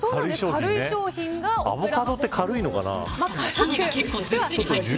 アボカドって、軽いのかな。